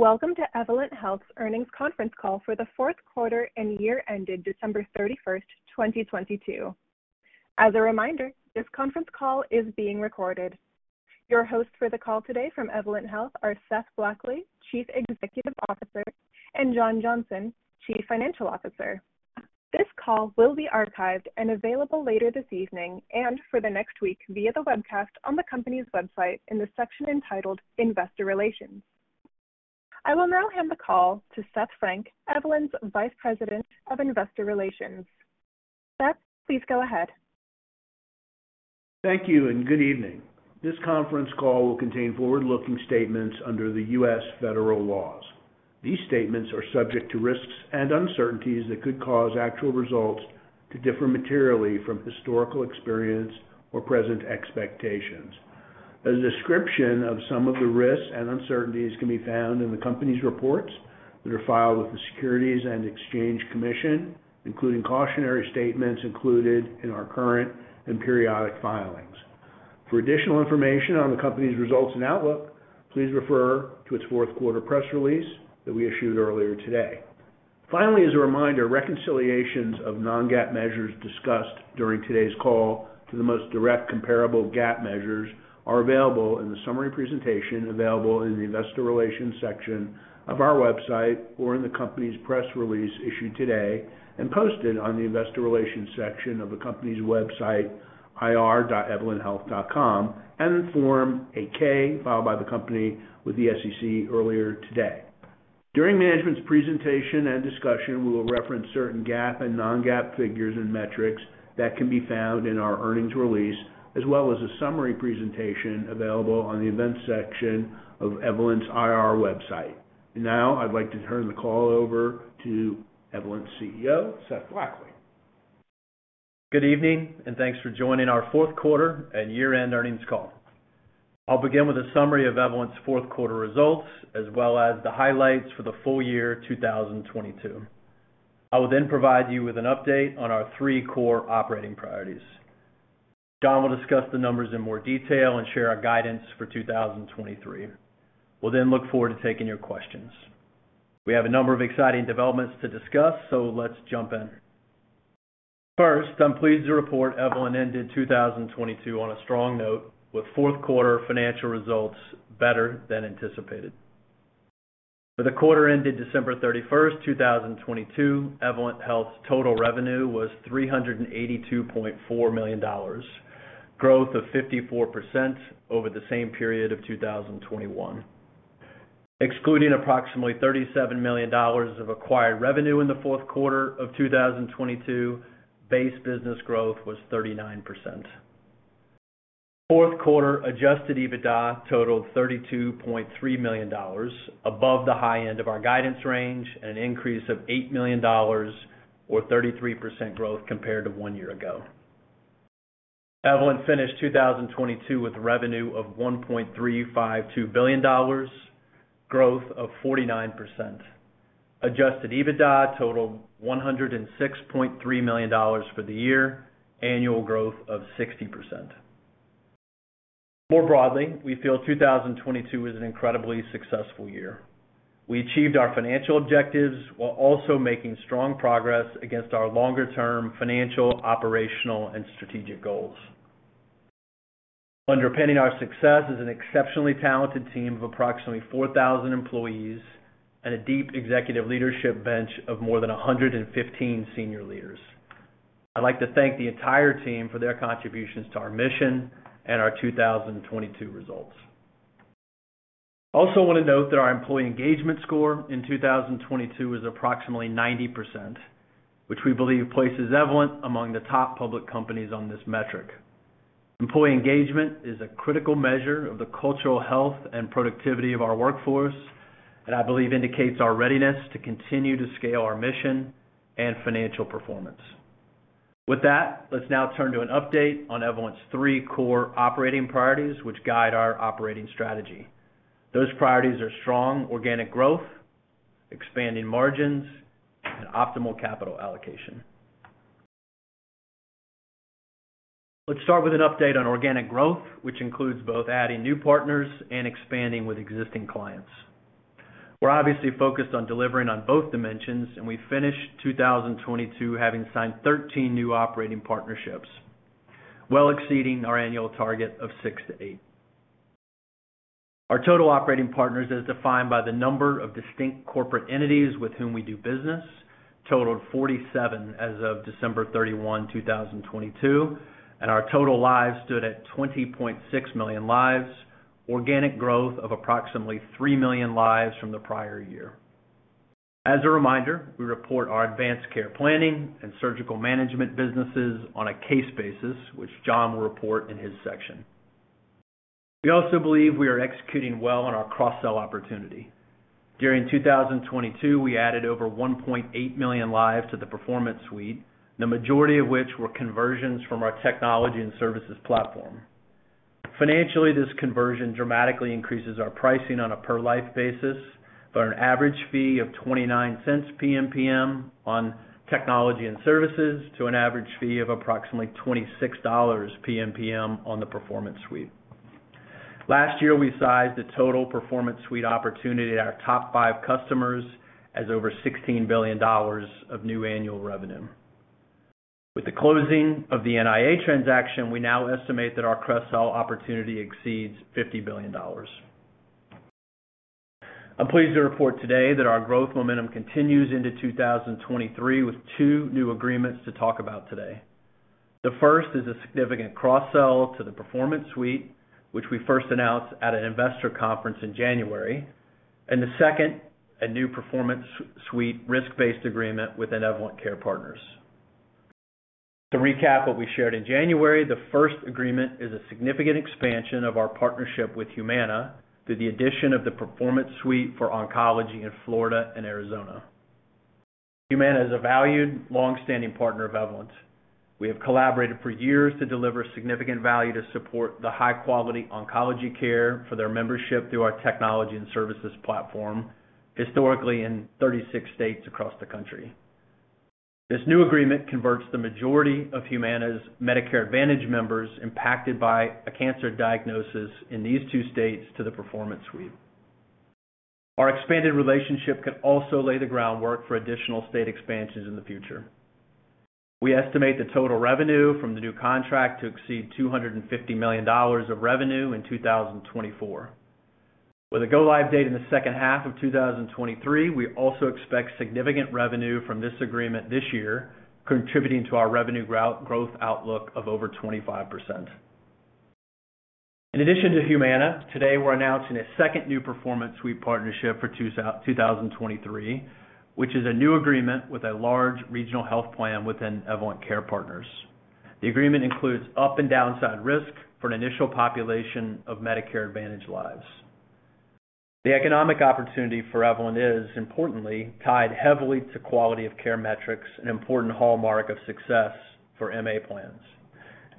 Welcome to Evolent Health's earnings conference call for the fourth quarter and year ended December 31st, 2022. As a reminder, this conference call is being recorded. Your host for the call today from Evolent Health are Seth Blackley, Chief Executive Officer, and John Johnson, Chief Financial Officer. This call will be archived and available later this evening and for the next week via the webcast on the company's website in the section entitled Investor Relations. I will now hand the call to Seth Frank, Evolent's Vice President of Investor Relations. Seth, please go ahead. Thank you, and good evening. This conference call will contain forward-looking statements under the U.S. federal laws. These statements are subject to risks and uncertainties that could cause actual results to differ materially from historical experience or present expectations. A description of some of the risks and uncertainties can be found in the company's reports that are filed with the Securities and Exchange Commission, including cautionary statements included in our current and periodic filings. For additional information on the company's results and outlook, please refer to its fourth quarter press release that we issued earlier today. As a reminder, reconciliations of non-GAAP measures discussed during today's call to the most direct comparable GAAP measures are available in the summary presentation available in the Investor Relations section of our website or in the company's press release issued today and posted on the Investor Relations section of the company's website, ir.evolenthealth.com, and in Form 8-K filed by the company with the SEC earlier today. During management's presentation and discussion, we will reference certain GAAP and non-GAAP figures and metrics that can be found in our earnings release, as well as a summary presentation available on the Events section of Evolent's IR website. Now I'd like to turn the call over to Evolent's CEO, Seth Blackley. Good evening, thanks for joining our fourth quarter and year-end earnings call. I'll begin with a summary of Evolent's fourth quarter results, as well as the highlights for the full year 2022. I will provide you with an update on our three core operating priorities. John will discuss the numbers in more detail and share our guidance for 2023. We'll look forward to taking your questions. We have a number of exciting developments to discuss, let's jump in. First, I'm pleased to report Evolent ended 2022 on a strong note with fourth quarter financial results better than anticipated. For the quarter ended December 31, 2022, Evolent Health's total revenue was $382.4 million, growth of 54% over the same period of 2021. Excluding approximately $37 million of acquired revenue in the fourth quarter of 2022, base business growth was 39%. Fourth quarter adjusted EBITDA totaled $32.3 million, above the high end of our guidance range at an increase of $8 million or 33% growth compared to one year ago. Evolent finished 2022 with revenue of $1.352 billion, growth of 49%. Adjusted EBITDA totaled $106.3 million for the year, annual growth of 60%. More broadly, we feel 2022 was an incredibly successful year. We achieved our financial objectives while also making strong progress against our longer-term financial, operational, and strategic goals. Underpinning our success is an exceptionally talented team of approximately 4,000 employees and a deep executive leadership bench of more than 115 senior leaders. I'd like to thank the entire team for their contributions to our mission and our 2022 results. I also wanna note that our employee engagement score in 2022 was approximately 90%, which we believe places Evolent among the top public companies on this metric. Employee engagement is a critical measure of the cultural health and productivity of our workforce, and I believe indicates our readiness to continue to scale our mission and financial performance. With that, let's now turn to an update on Evolent's three core operating priorities which guide our operating strategy. Those priorities are strong organic growth, expanding margins, and optimal capital allocation. Let's start with an update on organic growth, which includes both adding new partners and expanding with existing clients. We're obviously focused on delivering on both dimensions, we finished 2022 having signed 13 new operating partnerships, well exceeding our annual target of six-eight. Our total operating partners, as defined by the number of distinct corporate entities with whom we do business, totaled 47 as of December 31, 2022, our total lives stood at 20.6 million lives, organic growth of approximately 3 million lives from the prior year. As a reminder, we report our advanced care planning and surgical management businesses on a case basis, which John will report in his section. We also believe we are executing well on our cross-sell opportunity. During 2022, we added over 1.8 million lives to the Performance Suite, the majority of which were conversions from our Technology and Services platform. Financially, this conversion dramatically increases our pricing on a per-life basis for an average fee of $0.29 PMPM on Technology and Services to an average fee of approximately $26 PMPM on the Performance Suite. Last year, we sized the total Performance Suite opportunity at our top five customers as over $16 billion of new annual revenue. With the closing of the NIA transaction, we now estimate that our cross-sell opportunity exceeds $50 billion. I'm pleased to report today that our growth momentum continues into 2023 with two new agreements to talk about today. The first is a significant cross-sell to the Performance Suite, which we first announced at an investor conference in January. The second, a new Performance Suite risk-based agreement with Evolent Care Partners. To recap what we shared in January, the first agreement is a significant expansion of our partnership with Humana through the addition of the Performance Suite for oncology in Florida and Arizona. Humana is a valued, long-standing partner of Evolent. We have collaborated for years to deliver significant value to support the high-quality oncology care for their membership through our technology and services platform, historically in 36 states across the country. This new agreement converts the majority of Humana's Medicare Advantage members impacted by a cancer diagnosis in these two states to the Performance Suite. Our expanded relationship can also lay the groundwork for additional state expansions in the future. We estimate the total revenue from the new contract to exceed $250 million of revenue in 2024. With a go-live date in the second half of 2023, we also expect significant revenue from this agreement this year, contributing to our revenue growth outlook of over 25%. In addition to Humana, today we're announcing a second new Performance Suite partnership for 2023, which is a new agreement with a large regional health plan within Evolent Care Partners. The agreement includes up and downside risk for an initial population of Medicare Advantage lives. The economic opportunity for Evolent is, importantly, tied heavily to quality of care metrics, an important hallmark of success for MA plans.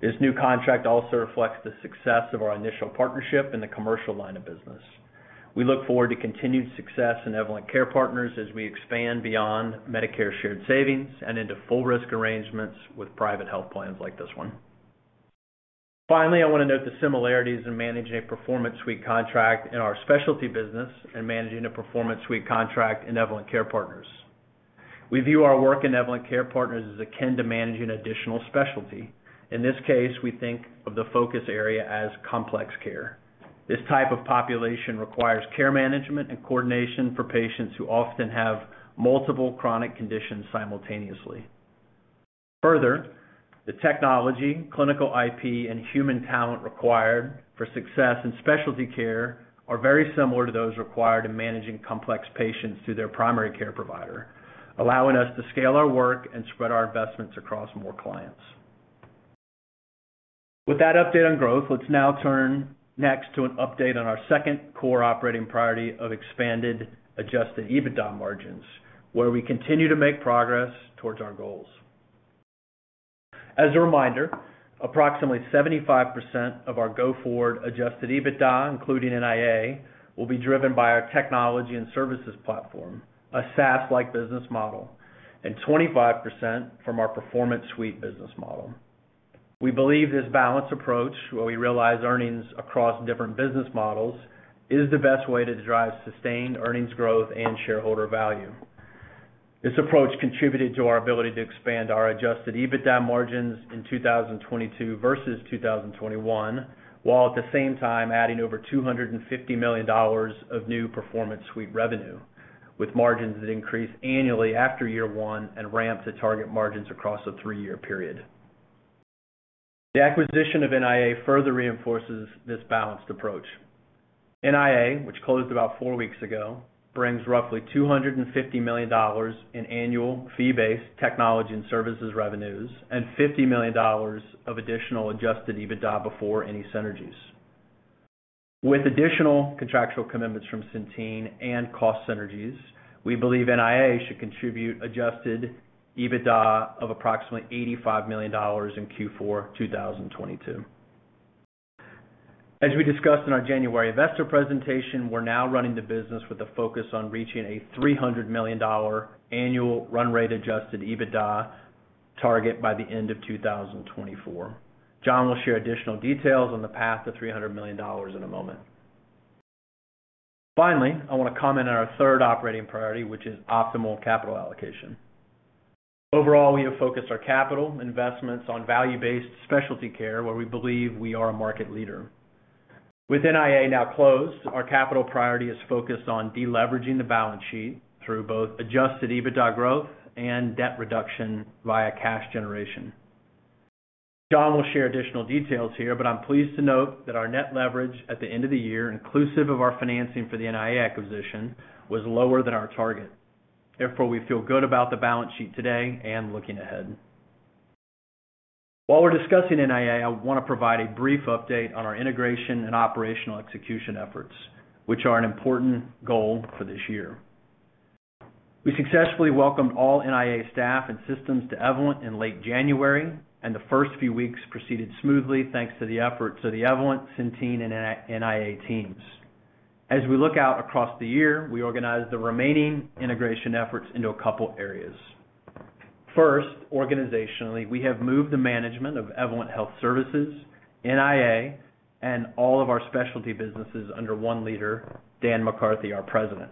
This new contract also reflects the success of our initial partnership in the commercial line of business. We look forward to continued success in Evolent Care Partners as we expand beyond Medicare shared savings and into full risk arrangements with private health plans like this one. I want to note the similarities in managing a Performance Suite contract in our specialty business and managing a Performance Suite contract in Evolent Care Partners. We view our work in Evolent Care Partners as akin to managing additional specialty. In this case, we think of the focus area as complex care. This type of population requires care management and coordination for patients who often have multiple chronic conditions simultaneously. The technology, clinical IP, and human talent required for success in specialty care are very similar to those required in managing complex patients through their primary care provider, allowing us to scale our work and spread our investments across more clients. With that update on growth, let's now turn next to an update on our second core operating priority of expanded adjusted EBITDA margins, where we continue to make progress towards our goals. As a reminder, approximately 75% of our go-forward adjusted EBITDA, including NIA, will be driven by our Technology and Services platform, a SaaS-like business model, and 25% from our Performance Suite business model. We believe this balanced approach, where we realize earnings across different business models, is the best way to drive sustained earnings growth and shareholder value. This approach contributed to our ability to expand our adjusted EBITDA margins in 2022 versus 2021, while at the same time adding over $250 million of new Performance Suite revenue, with margins that increase annually after year one and ramp to target margins across a three year period. The acquisition of NIA further reinforces this balanced approach. NIA, which closed about four weeks ago, brings roughly $250 million in annual fee-based technology and services revenues and $50 million of additional adjusted EBITDA before any synergies. With additional contractual commitments from Centene and cost synergies, we believe NIA should contribute adjusted EBITDA of approximately $85 million in Q4 2022. As we discussed in our January investor presentation, we're now running the business with a focus on reaching a $300 million annual run rate adjusted EBITDA target by the end of 2024. John will share additional details on the path to $300 million in a moment. Finally, I wanna comment on our third operating priority, which is optimal capital allocation. We have focused our capital investments on value-based specialty care where we believe we are a market leader. With NIA now closed, our capital priority is focused on deleveraging the balance sheet through both adjusted EBITDA growth and debt reduction via cash generation. John will share additional details here, I'm pleased to note that our net leverage at the end of the year, inclusive of our financing for the NIA acquisition, was lower than our target. We feel good about the balance sheet today and looking ahead. While we're discussing NIA, I want to provide a brief update on our integration and operational execution efforts, which are an important goal for this year. We successfully welcomed all NIA staff and systems to Evolent in late January, the first few weeks proceeded smoothly thanks to the efforts of the Evolent, Centene, and NIA teams. As we look out across the year, we organized the remaining integration efforts into a couple areas. First, organizationally, we have moved the management of Evolent Health Services, NIA, and all of our specialty businesses under one leader, Dan McCarthy, our President.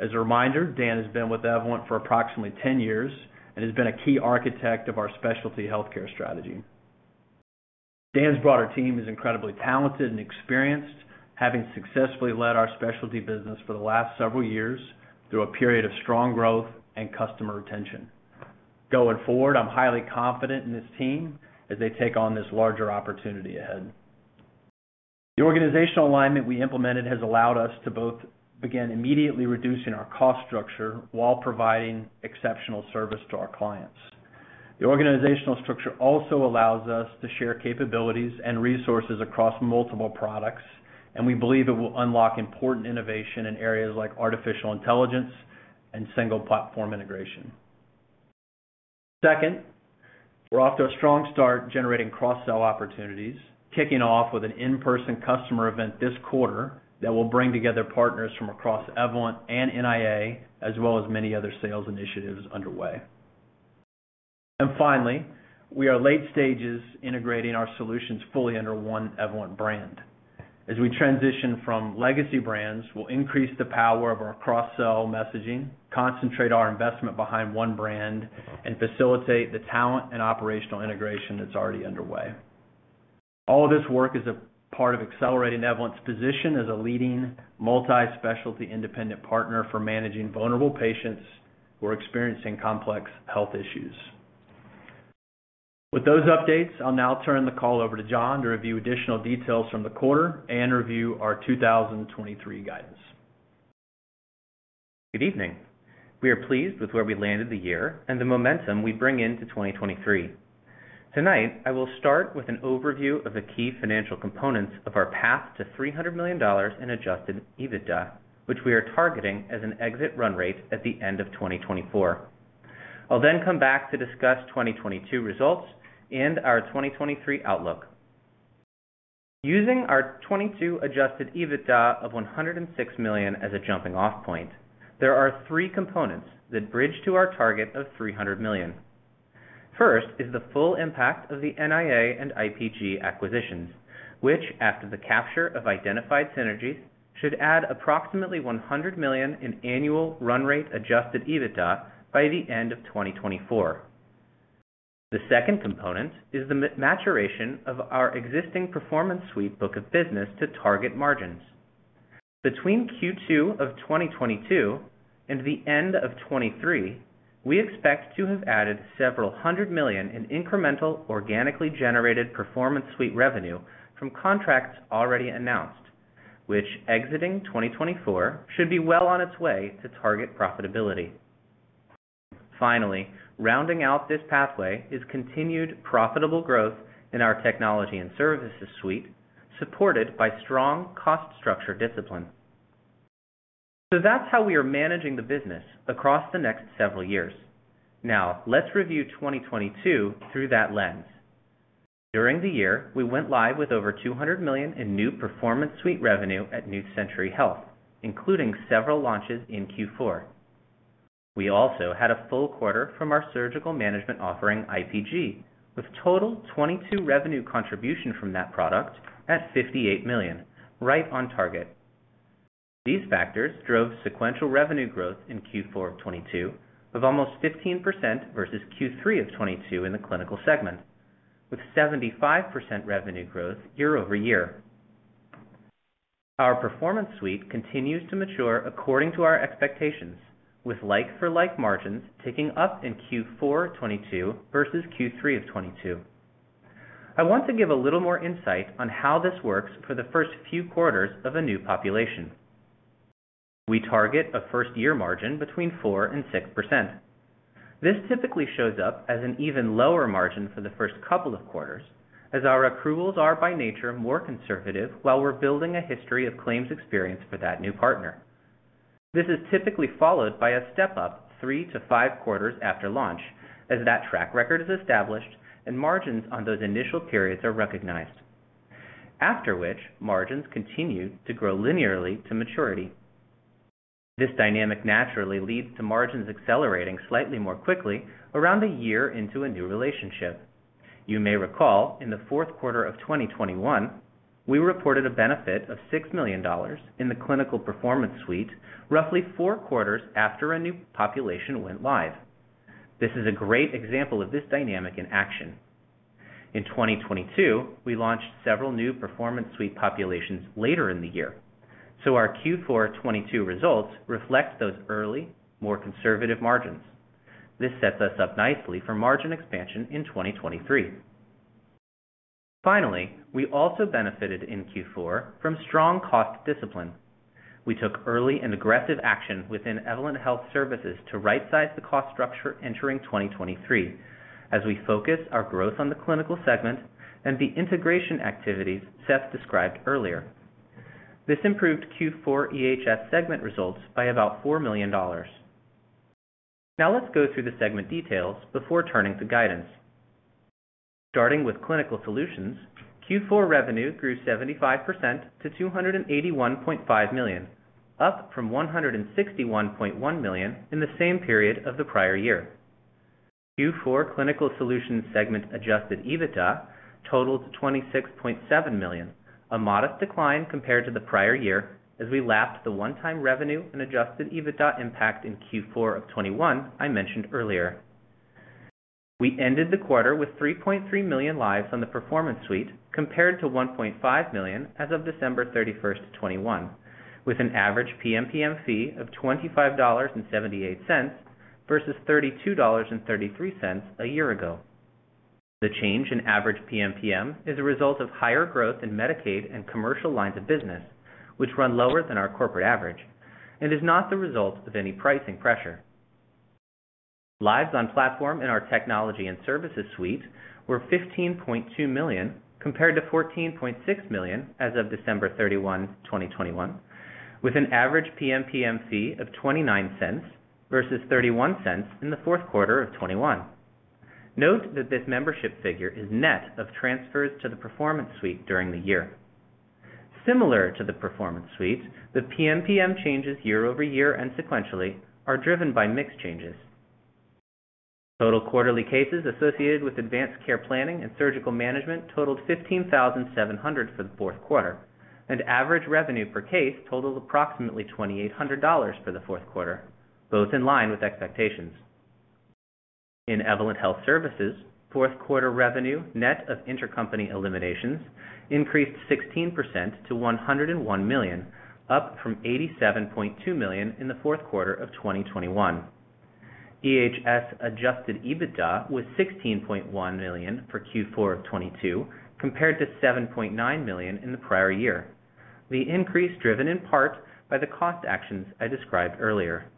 As a reminder, Dan has been with Evolent for approximately 10 years and has been a key architect of our specialty healthcare strategy. Dan's broader team is incredibly talented and experienced, having successfully led our specialty business for the last several years through a period of strong growth and customer retention. Going forward, I'm highly confident in this team as they take on this larger opportunity ahead. The organizational alignment we implemented has allowed us to both begin immediately reducing our cost structure while providing exceptional service to our clients. The organizational structure also allows us to share capabilities and resources across multiple products, and we believe it will unlock important innovation in areas like artificial intelligence and single platform integration. Second, we're off to a strong start generating cross-sell opportunities, kicking off with an in-person customer event this quarter that will bring together partners from across Evolent and NIA, as well as many other sales initiatives underway. Finally, we are late stages integrating our solutions fully under one Evolent brand. As we transition from legacy brands, we'll increase the power of our cross-sell messaging, concentrate our investment behind one brand, and facilitate the talent and operational integration that's already underway. All of this work is a part of accelerating Evolent's position as a leading multi-specialty independent partner for managing vulnerable patients who are experiencing complex health issues. With those updates, I'll now turn the call over to John to review additional details from the quarter and review our 2023 guidance. Good evening. We are pleased with where we landed the year and the momentum we bring into 2023. Tonight, I will start with an overview of the key financial components of our path to $300 million in adjusted EBITDA, which we are targeting as an exit run rate at the end of 2024. I'll come back to discuss 2022 results and our 2023 outlook. Using our 2022 adjusted EBITDA of $106 million as a jumping off point, there are three components that bridge to our target of $300 million. First is the full impact of the NIA and IPG acquisitions, which, after the capture of identified synergies, should add approximately $100 million in annual run rate adjusted EBITDA by the end of 2024. The second component is the maturation of our existing Performance Suite book of business to target margins. Between Q2 of 2022 and the end of 2023, we expect to have added $several hundred million in incremental organically generated Performance Suite revenue from contracts already announced, which exiting 2024 should be well on its way to target profitability. Rounding out this pathway is continued profitable growth in our Technology and Services Suite, supported by strong cost structure discipline. That's how we are managing the business across the next several years. Let's review 2022 through that lens. During the year, we went live with over $200 million in new Performance Suite revenue at New Century Health, including several launches in Q4. We also had a full quarter from our surgical management offering, IPG, with total 2022 revenue contribution from that product at $58 million, right on target. These factors drove sequential revenue growth in Q4 of 2022 of almost 15% versus Q3 of 2022 in the clinical segment, with 75% revenue growth year-over-year. Our Performance Suite continues to mature according to our expectations, with like-for-like margins ticking up in Q4 of 2022 versus Q3 of 2022. I want to give a little more insight on how this works for the first few quarters of a new population. We target a first-year margin between 4% and 6%. This typically shows up as an even lower margin for the first couple of quarters as our accruals are by nature more conservative while we're building a history of claims experience for that new partner. This is typically followed by a step-up three to five quarters after launch as that track record is established and margins on those initial periods are recognized, after which margins continue to grow linearly to maturity. This dynamic naturally leads to margins accelerating slightly more quickly around a year into a new relationship. You may recall in the fourth quarter of 2021, we reported a benefit of $6 million in the Clinical Performance Suite roughly four quarters after a new population went live. This is a great example of this dynamic in action. In 2022, we launched several new Performance Suite populations later in the year, so our Q4 2022 results reflect those early, more conservative margins. This sets us up nicely for margin expansion in 2023. Finally, we also benefited in Q4 from strong cost discipline. We took early and aggressive action within Evolent Health Services to rightsize the cost structure entering 2023 as we focused our growth on the clinical segment and the integration activities Seth Blackley described earlier. This improved Q4 EHS segment results by about $4 million. Let's go through the segment details before turning to guidance. Starting with Clinical Solutions, Q4 revenue grew 75% to $281.5 million, up from $161.1 million in the same period of the prior year. Q4 Clinical Solutions segment adjusted EBITDA totaled to $26.7 million, a modest decline compared to the prior year as we lapsed the one-time revenue and adjusted EBITDA impact in Q4 of 2021 I mentioned earlier. We ended the quarter with 3.3 million lives on the Performance Suite compared to 1.5 million as of December 31, 2021, with an average PMPM fee of $25.78 versus $32.33 a year ago. The change in average PMPM is a result of higher growth in Medicaid and commercial lines of business, which run lower than our corporate average and is not the result of any pricing pressure. Lives on platform in our Technology and Services Suite were 15.2 million compared to 14.6 million as of December 31, 2021, with an average PMPM fee of $0.29 versus $0.31 in the fourth quarter of 2021. Note that this membership figure is net of transfers to the Performance Suite during the year. Similar to the Performance Suite, the PMPM changes year-over-year and sequentially are driven by mix changes. Total quarterly cases associated with advanced care planning and surgical management totaled 15,700 for the fourth quarter, and average revenue per case totaled approximately $2,800 for the fourth quarter, both in line with expectations. In Evolent Health Services, fourth quarter revenue net of intercompany eliminations increased 16% to $101 million, up from $87.2 million in the fourth quarter of 2021. EHS adjusted EBITDA was $16.1 million for Q4 of 2022 compared to $7.9 million in the prior year. The increase driven in part by the cost actions I described earlier.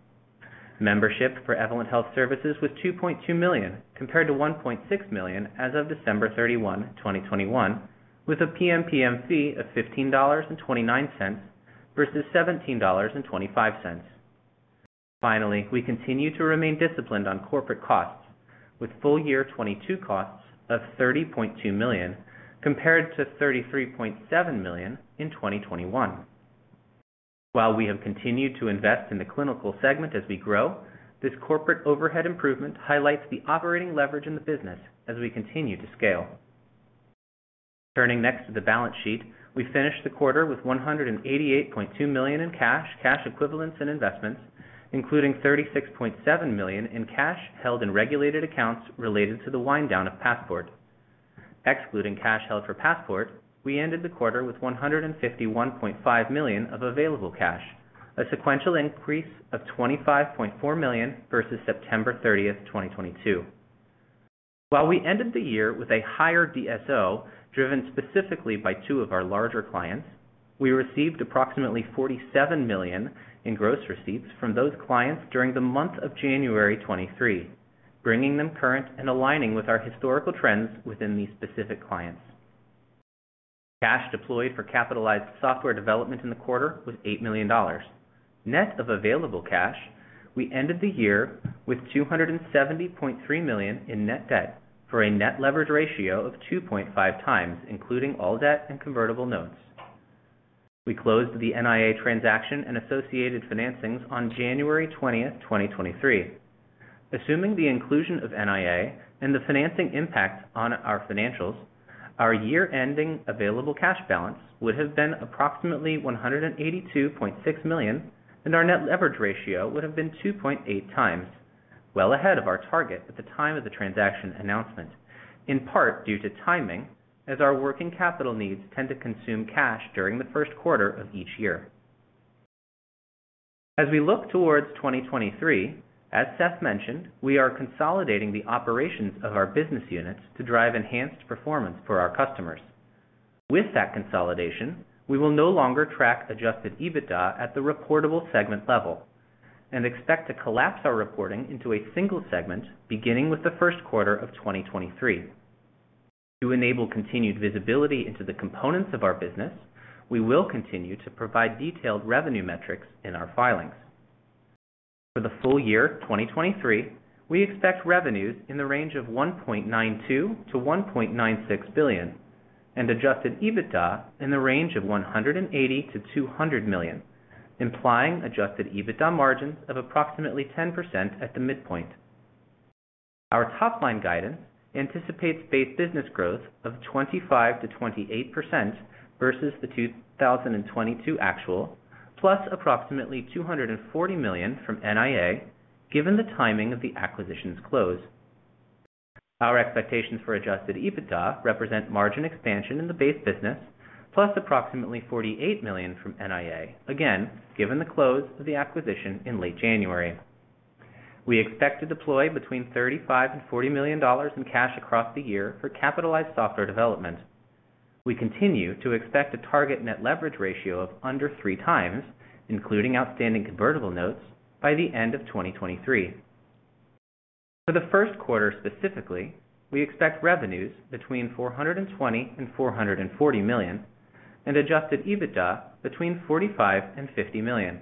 Membership for Evolent Health Services was $2.2 million compared to $1.6 million as of December 31, 2021, with a PMPM fee of $15.29 versus $17.25. We continue to remain disciplined on corporate costs with full year 2022 costs of $30.2 million compared to $33.7 million in 2021. While we have continued to invest in the clinical segment as we grow, this corporate overhead improvement highlights the operating leverage in the business as we continue to scale. Turning next to the balance sheet, we finished the quarter with $188.2 million in cash equivalents, and investments, including $36.7 million in cash held in regulated accounts related to the wind down of Passport. Excluding cash held for Passport, we ended the quarter with $151.5 million of available cash, a sequential increase of $25.4 million versus September 30, 2022. While we ended the year with a higher DSO driven specifically by two of our larger clients, we received approximately $47 million in gross receipts from those clients during the month of January 2023, bringing them current and aligning with our historical trends within these specific clients. Cash deployed for capitalized software development in the quarter was $8 million. Net of available cash, we ended the year with $270.3 million in net debt for a net leverage ratio of 2.5x, including all debt and convertible notes. We closed the NIA transaction and associated financings on January 20, 2023. Assuming the inclusion of NIA and the financing impact on our financials, our year-ending available cash balance would have been approximately $182.6 million, and our net leverage ratio would have been 2.8x, well ahead of our target at the time of the transaction announcement, in part due to timing as our working capital needs tend to consume cash during the first quarter of each year. As we look towards 2023, as Seth Blackley mentioned, we are consolidating the operations of our business units to drive enhanced performance for our customers. With that consolidation, we will no longer track adjusted EBITDA at the reportable segment level and expect to collapse our reporting into a single segment beginning with the first quarter of 2023. To enable continued visibility into the components of our business, we will continue to provide detailed revenue metrics in our filings. For the full year of 2023, we expect revenues in the range of $1.92 billion-$1.96 billion and adjusted EBITDA in the range of $180 million-$200 million, implying adjusted EBITDA margins of approximately 10% at the midpoint. Our top-line guidance anticipates base business growth of 25%-28% versus the 2022 actual, plus approximately $240 million from NIA, given the timing of the acquisition's close. Our expectations for adjusted EBITDA represent margin expansion in the base business, plus approximately $48 million from NIA. Again, given the close of the acquisition in late January. We expect to deploy between $35 million and $40 million in cash across the year for capitalized software development. We continue to expect a target net leverage ratio of under 3x, including outstanding convertible notes by the end of 2023. For the first quarter specifically, we expect revenues between $420 million and $440 million and adjusted EBITDA between $45 million and $50 million.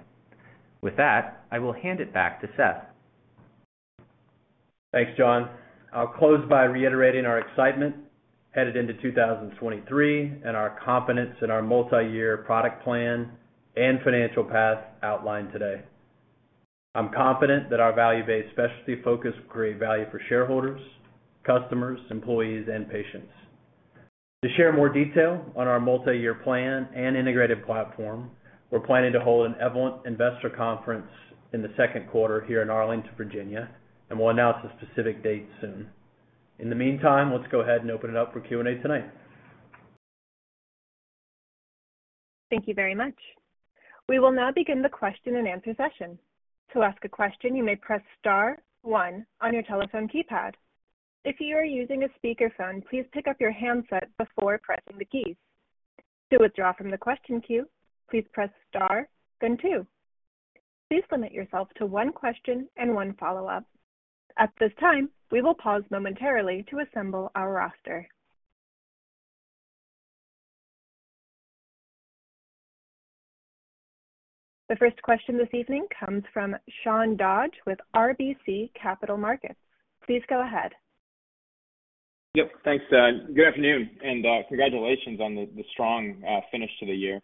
That, I will hand it back to Seth Blackley. Thanks, John. I'll close by reiterating our excitement headed into 2023 and our confidence in our multi-year product plan and financial path outlined today. I'm confident that our value-based specialty focus will create value for shareholders, customers, employees, and patients. To share more detail on our multi-year plan and integrated platform, we're planning to hold an Evolent investor conference in the second quarter here in Arlington, Virginia, and we'll announce a specific date soon. In the meantime, let's go ahead and open it up for Q&A tonight. Thank you very much. We will now begin the question-and-answer session. To ask a question, you may press star one on your telephone keypad. If you are using a speakerphone, please pick up your handset before pressing the keys. To withdraw from the question queue, please press star, then two. Please limit yourself to one question and one follow-up. At this time, we will pause momentarily to assemble our roster. The first question this evening comes from Sean Dodge with RBC Capital Markets. Please go ahead. Yep. Thanks, [Dan]. Good afternoon and congratulations on the strong finish to the year.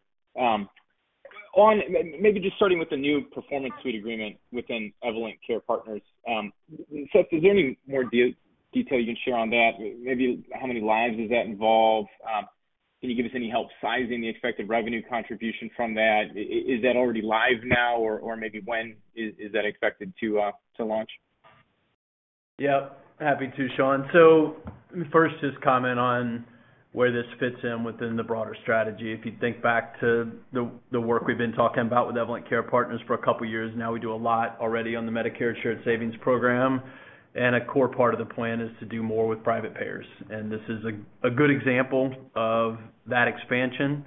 Maybe just starting with the new Performance Suite agreement within Evolent Care Partners. Seth Blackley, is there any more detail you can share on that? Maybe how many lives does that involve? Can you give us any help sizing the expected revenue contribution from that? Is that already live now or maybe when is that expected to launch? Yep. Happy to, Sean Dodge. First, just comment on where this fits in within the broader strategy. If you think back to the work we've been talking about with Evolent Care Partners for a couple of years now, we do a lot already on the Medicare Shared Savings Program, a core part of the plan is to do more with private payers. This is a good example of that expansion,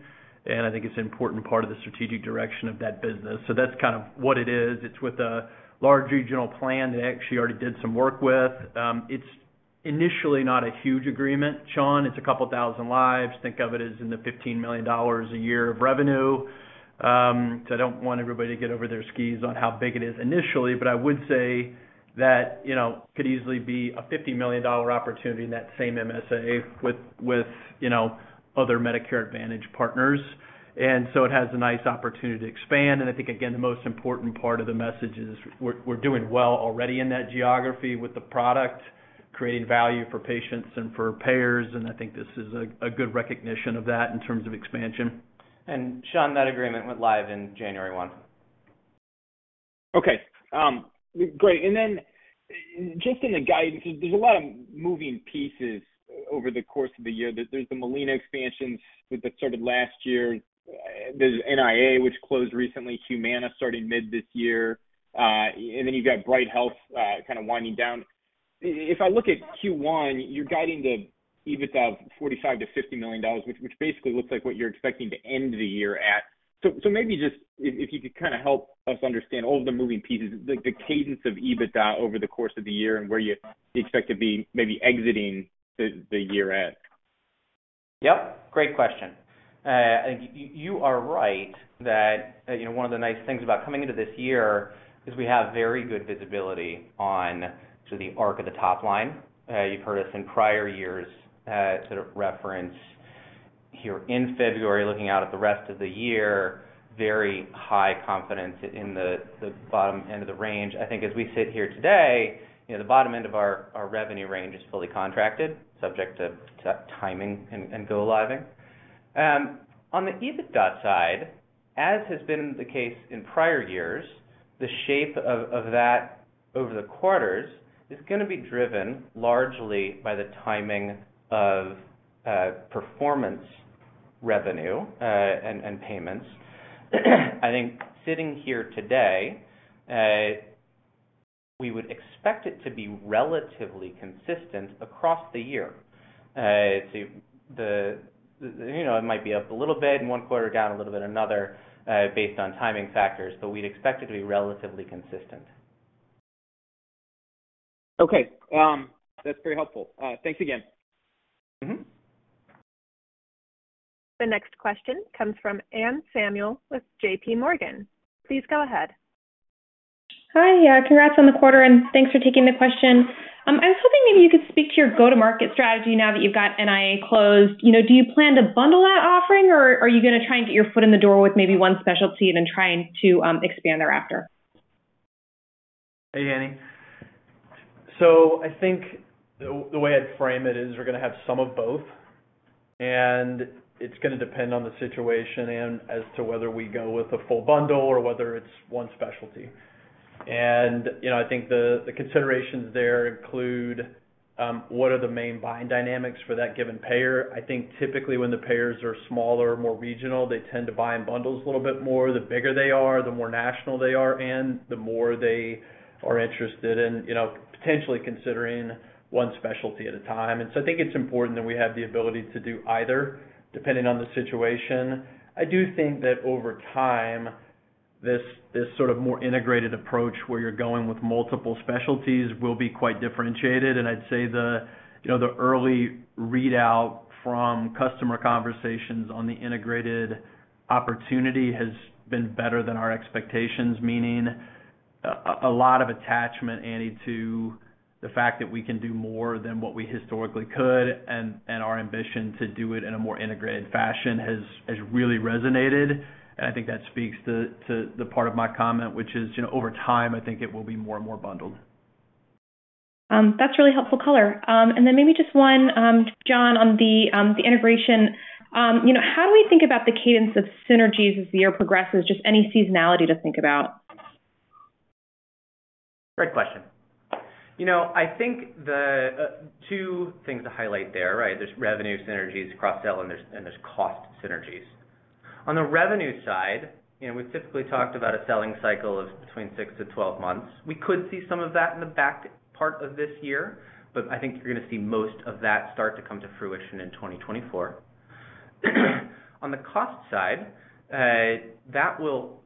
I think it's an important part of the strategic direction of that business. That's kind of what it is. It's with a large regional plan they actually already did some work with. It's initially not a huge agreement, Sean. It's a couple thousand lives. Think of it as in the $15 million a year of revenue. I don't want everybody to get over their skis on how big it is initially. I would say that, you know, could easily be a $50 million opportunity in that same MSA with, you know, other Medicare Advantage partners. It has a nice opportunity to expand. I think, again, the most important part of the message is we're doing well already in that geography with the product, creating value for patients and for payers. I think this is a good recognition of that in terms of expansion. Sean, that agreement went live in January one. Okay. Great. Just in the guidance, there's a lot of moving pieces over the course of the year. There's the Molina expansions that started last year. There's NIA, which closed recently, Humana starting mid this year, and then you've got Bright Health kind of winding down. If I look at Q1, you're guiding the EBITDA of $45 million-$50 million, which basically looks like what you're expecting to end the year at. Maybe just if you could kind of help us understand all the moving pieces, the cadence of EBITDA over the course of the year and where you expect to be maybe exiting the year-end. Yep. Great question. You are right that, you know, one of the nice things about coming into this year is we have very good visibility on the arc of the top line. You've heard us in prior years, sort of reference here in February, looking out at the rest of the year, very high confidence in the bottom end of the range. I think as we sit here today, you know, the bottom end of our revenue range is fully contracted, subject to timing and go living. On the EBITDA side, as has been the case in prior years, the shape of that over the quarters is gonna be driven largely by the timing of performance revenue, and payments. I think sitting here today, we would expect it to be relatively consistent across the year. you know, it might be up a little bit in one quarter, down a little bit another, based on timing factors, but we'd expect it to be relatively consistent. Okay. That's very helpful. Thanks again. Mm-hmm. The next question comes from Anne Samuel with JPMorgan. Please go ahead. Hi. Yeah, congrats on the quarter. Thanks for taking the question. I was hoping maybe you could speak to your go-to-market strategy now that you've got NIA closed. You know, do you plan to bundle that offering, or are you gonna try and get your foot in the door with maybe one specialty, then trying to expand thereafter? Hey, Anne Samuel. I think the way I'd frame it is we're gonna have some of both, and it's gonna depend on the situation and as to whether we go with a full bundle or whether it's one specialty. You know, I think the considerations there include, what are the main buying dynamics for that given payer. I think typically when the payers are smaller, more regional, they tend to buy in bundles a little bit more. The bigger they are, the more national they are in, the more they are interested in, you know, potentially considering one specialty at a time. I think it's important that we have the ability to do either, depending on the situation. I do think that over time, this sort of more integrated approach where you're going with multiple specialties will be quite differentiated. I'd say the, you know, the early readout from customer conversations on the integrated opportunity has been better than our expectations, meaning, a lot of attachment, Annie, to the fact that we can do more than what we historically could, and our ambition to do it in a more integrated fashion has really resonated. I think that speaks to the part of my comment, which is, you know, over time, I think it will be more and more bundled. That's really helpful color. Maybe just one, John, on the integration. You know, how do we think about the cadence of synergies as the year progresses? Just any seasonality to think about. Great question. You know, I think the two things to highlight there, right? There's revenue synergies, cross-sell, and there's cost synergies. On the revenue side, you know, we've typically talked about a selling cycle of between 6 months-12 months. We could see some of that in the back part of this year, but I think you're gonna see most of that start to come to fruition in 2024. On the cost side, that will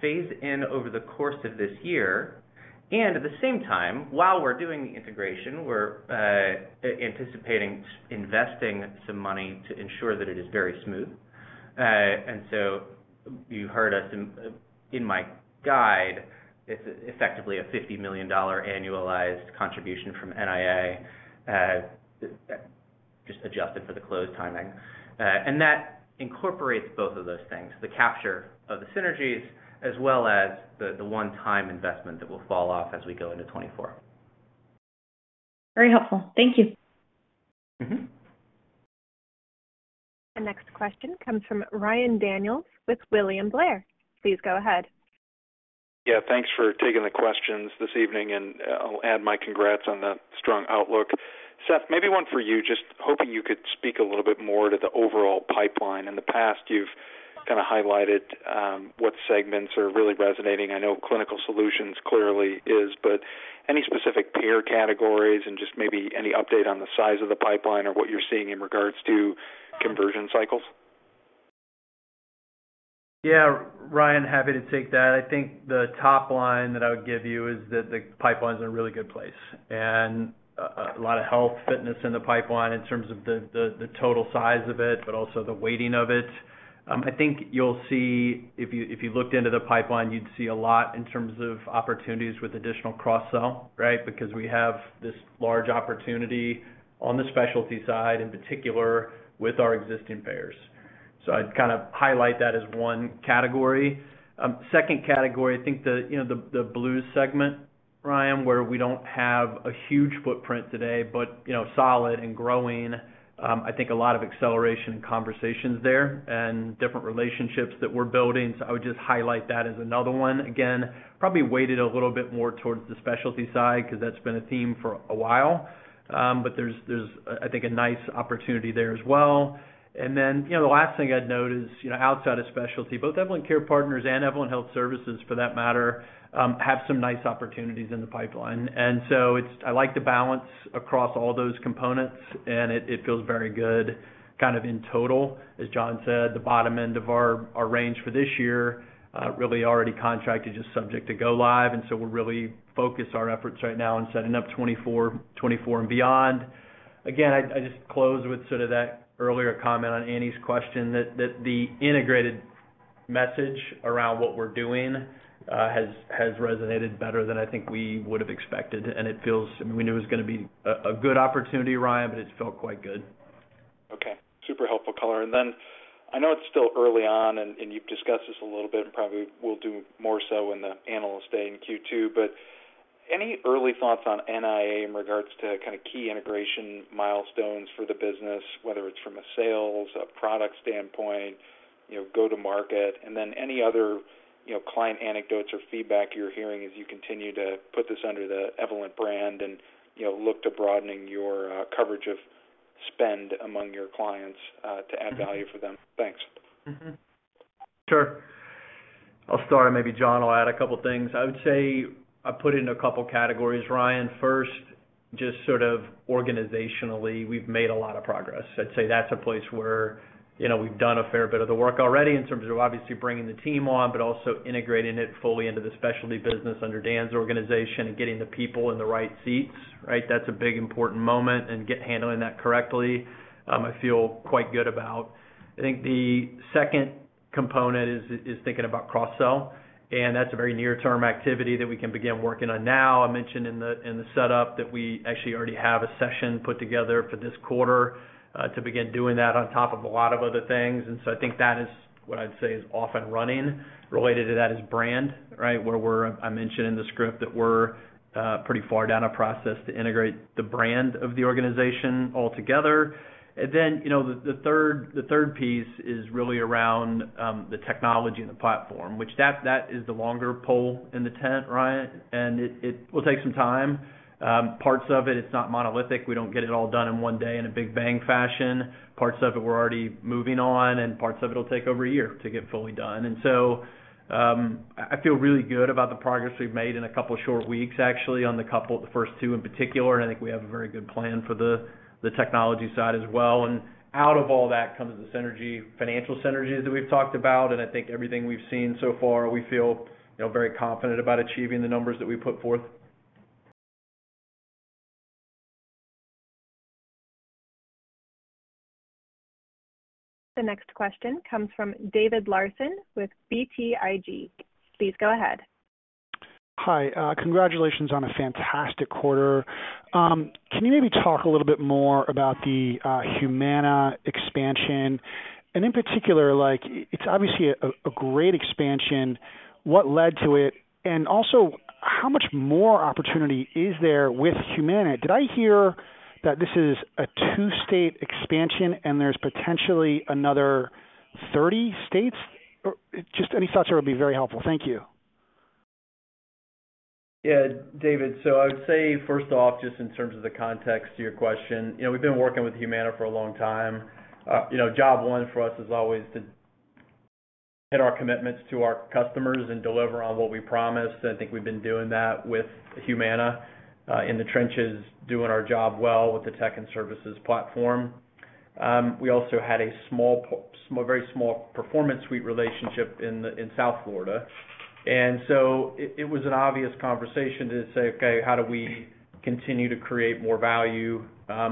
phase in over the course of this year. At the same time, while we're doing the integration, we're anticipating investing some money to ensure that it is very smooth. So you heard us in my guide, it's effectively a $50 million annualized contribution from NIA, just adjusted for the close timing. That incorporates both of those things, the capture of the synergies as well as the one-time investment that will fall off as we go into 2024. Very helpful. Thank you. Mm-hmm. The next question comes from Ryan Daniels with William Blair. Please go ahead. Yeah, thanks for taking the questions this evening. I'll add my congrats on the strong outlook. Seth, maybe one for you, just hoping you could speak a little bit more to the overall pipeline. In the past, you've kinda highlighted what segments are really resonating. I know Clinical Solutions clearly is, but any specific payer categories and just maybe any update on the size of the pipeline or what you're seeing in regards to conversion cycles? Yeah. Ryan, happy to take that. I think the top line that I would give you is that the pipeline's in a really good place, and a lot of health fitness in the pipeline in terms of the total size of it, but also the weighting of it. I think you'll see if you looked into the pipeline, you'd see a lot in terms of opportunities with additional cross-sell, right? Because we have this large opportunity on the specialty side, in particular with our existing payers. I'd kind of highlight that as one category. second category, I think the, you know, the blues segment, Ryan, where we don't have a huge footprint today, but you know, solid and growing. I think a lot of acceleration conversations there and different relationships that we're building. I would just highlight that as another one. Again, probably weighted a little bit more towards the specialty side because that's been a theme for a while. But there's, I think, a nice opportunity there as well. Then, you know, the last thing I'd note is, you know, outside of specialty, both Evolent Care Partners and Evolent Health Services for that matter, have some nice opportunities in the pipeline. So I like the balance across all those components, and it feels very good kind of in total. As John said, the bottom end of our range for this year, really already contracted, just subject to go live, So we're really focused our efforts right now on setting up 2024 and beyond. Again, I just close with sort of that earlier comment on Annie's question that the integrated message around what we're doing has resonated better than I think we would've expected. It feels, I mean, we knew it was gonna be a good opportunity, Ryan, but it's felt quite good. Okay. Super helpful color. I know it's still early on, and you've discussed this a little bit and probably will do more so in the analyst day in Q2. Any early thoughts on NIA in regards to kind of key integration milestones for the business, whether it's from a sales, a product standpoint, you know, go to market? Any other, you know, client anecdotes or feedback you're hearing as you continue to put this under the Evolent brand and, you know, look to broadening your coverage of spend among your clients to add value for them? Thanks. Sure. I'll start and maybe John will add a couple things. I would say I'll put it in a couple categories, Ryan. First, just sort of organizationally, we've made a lot of progress. I'd say that's a place where, you know, we've done a fair bit of the work already in terms of obviously bringing the team on, but also integrating it fully into the specialty business under Dan's organization and getting the people in the right seats, right? That's a big important moment and get handling that correctly, I feel quite good about. I think the second component is thinking about cross-sell. That's a very near-term activity that we can begin working on now. I mentioned in the setup that we actually already have a session put together for this quarter to begin doing that on top of a lot of other things. I think that is what I'd say is off and running. Related to that is brand, right? I mentioned in the script that we're pretty far down a process to integrate the brand of the organization altogether. You know, the third piece is really around the technology and the platform, which that is the longer pole in the tent, Ryan, and it will take some time. Parts of it's not monolithic. We don't get it all done in one day in a big bang fashion. Parts of it we're already moving on, and parts of it'll take over a year to get fully done. I feel really good about the progress we've made in a couple short weeks, actually, on the first two in particular, and I think we have a very good plan for the technology side as well. Out of all that comes the synergy, financial synergies that we've talked about, and I think everything we've seen so far, we feel, you know, very confident about achieving the numbers that we put forth. The next question comes from David Larsen with BTIG. Please go ahead. Hi, congratulations on a fantastic quarter. Can you maybe talk a little bit more about the Humana expansion? In particular, like, it's obviously a great expansion. What led to it, and also how much more opportunity is there with Humana? Did I hear that this is a 2-state expansion and there's potentially another 30 states? Just any thoughts here would be very helpful. Thank you. Yeah, David Larsen. I would say first off, just in terms of the context to your question, you know, we've been working with Humana for a long time. You know, job one for us is always to hit our commitments to our customers and deliver on what we promise. I think we've been doing that with Humana, in the trenches, doing our job well with the tech and services platform. We also had a very small Performance Suite relationship in South Florida. It was an obvious conversation to say, "Okay, how do we continue to create more value?"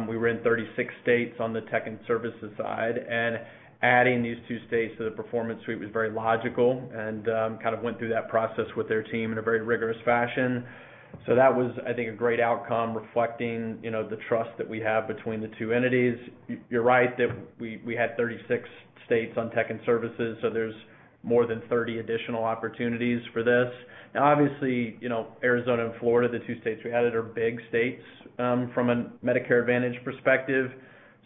We were in 36 states on the tech and services side, and adding these two states to the Performance Suite was very logical and kind of went through that process with their team in a very rigorous fashion. That was, I think, a great outcome reflecting, you know, the trust that we have between the two entities. You're right that we had 36 states on Technology and Services, so there's more than 30 additional opportunities for this. Obviously, you know, Arizona and Florida, the two states we added, are big states from a Medicare Advantage perspective,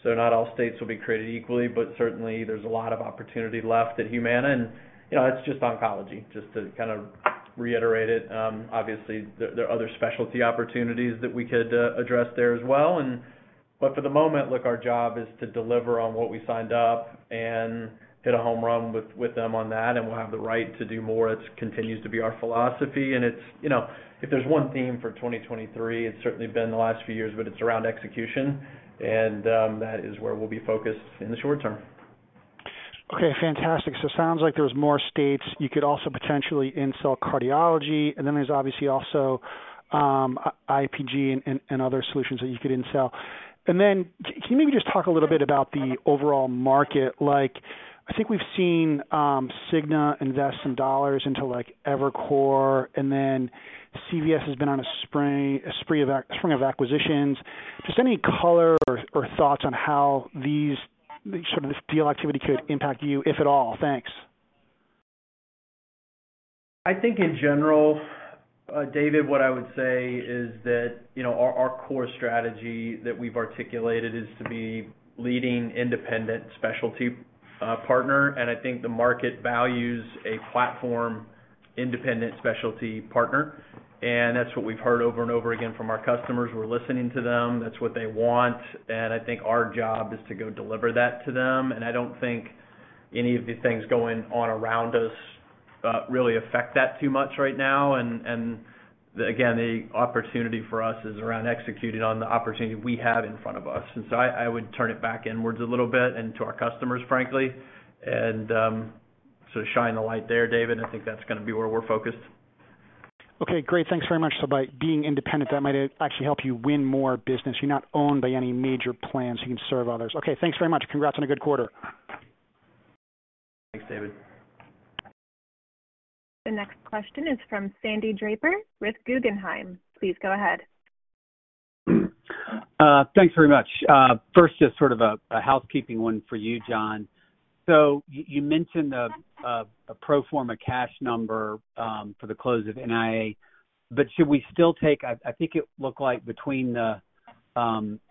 so not all states will be created equally, but certainly there's a lot of opportunity left at Humana. You know, it's just oncology, just to kind of reiterate it. Obviously there are other specialty opportunities that we could address there as well and. For the moment, look, our job is to deliver on what we signed up and hit a home run with them on that, and we'll have the right to do more. It continues to be our philosophy. It's, you know, if there's one theme for 2023, it's certainly been the last few years, but it's around execution, that is where we'll be focused in the short term. Okay, fantastic. Sounds like there's more states you could also potentially cross-sell cardiology, and then there's obviously also IPG and other solutions that you could cross-sell. Can you maybe just talk a little bit about the overall market? Like, I think we've seen Cigna invest some dollars into, like, Evernorth, and then CVS has been on a spree of string of acquisitions. Just any color or thoughts on how these, sort of this deal activity could impact you, if at all? Thanks. I think in general, David Larsen, what I would say is that, you know, our core strategy that we've articulated is to be leading independent specialty partner. I think the market values a platform independent specialty partner. That's what we've heard over and over again from our customers. We're listening to them. That's what they want. I think our job is to go deliver that to them. I don't think any of the things going on around us really affect that too much right now. Again, the opportunity for us is around executing on the opportunity we have in front of us. So I would turn it back inwards a little bit and to our customers, frankly, and so shine the light there, David. I think that's gonna be where we're focused. Okay, great. Thanks very much. By being independent, that might actually help you win more business. You're not owned by any major plans. You can serve others. Okay, thanks very much. Congrats on a good quarter. Thanks, David. The next question is from Sandy Draper with Guggenheim. Please go ahead. Thanks very much. First, just sort of a housekeeping one for you, John. You mentioned the a pro forma cash number for the close of NIA, but should we still take? I think it looked like between the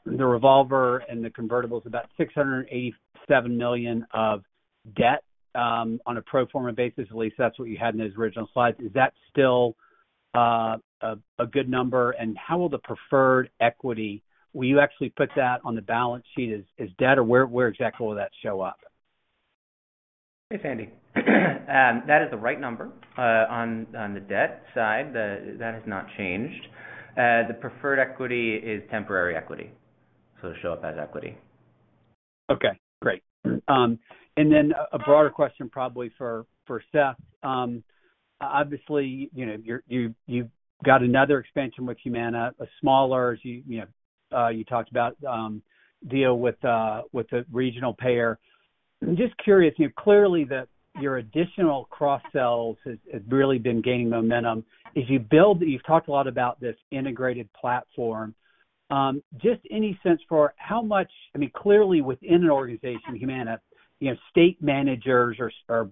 revolver and the convertibles, about $687 million of debt on a pro forma basis, at least that's what you had in those original slides. Is that still a good number? How will the preferred equity? Will you actually put that on the balance sheet as debt? Or where exactly will that show up? Hey, Sandy Draper. That is the right number, on the debt side. That has not changed. The preferred equity is temporary equity, so it'll show up as equity. Okay, great. A broader question probably for Seth. Obviously, you know, you've got another expansion with Humana, a smaller, as you know, you talked about, deal with the regional payer. I'm just curious, you know, clearly your additional cross-sells has really been gaining momentum. As you build, you've talked a lot about this integrated platform. Just any sense for how much... I mean, clearly within an organization, Humana, you know, state managers or